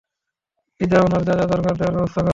চিদা, ওনার যা যা দরকার দেওয়ার ব্যবস্থা কোরো।